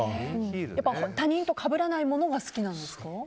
他人とかぶらないものが好きなんですか？